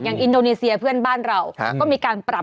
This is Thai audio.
อินโดนีเซียเพื่อนบ้านเราก็มีการปรับ